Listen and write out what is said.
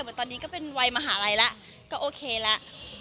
เหมือนตอนนี้ก็เป็นวัยมหาลัยแล้วก็โอเคแล้ว